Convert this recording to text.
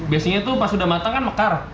biasanya tuh pas udah matang kan mekar